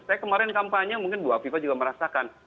saya kemarin kampanye mungkin bu afifah juga merasakan